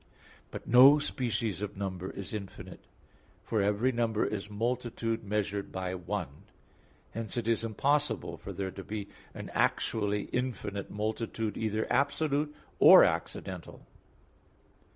But no species of number is infinite; for every number is multitude measured by one. Hence it is impossible for there to be an actually infinite multitude, either absolute or accidental.